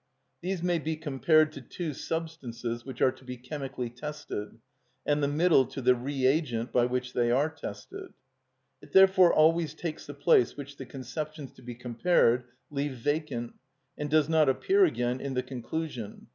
These may be compared to two substances which are to be chemically tested, and the middle to the reagent by which they are tested. It therefore always takes the place which the conceptions to be compared leave vacant, and does not appear again in the conclusion.